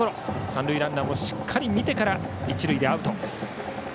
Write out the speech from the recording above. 三塁ランナーもしっかり見てから一塁でアウト。